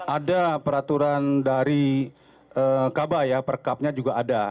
ada peraturan dari kaba ya perkabnya juga ada